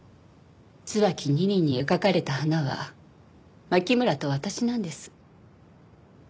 『椿二輪』に描かれた花は牧村と私なんです。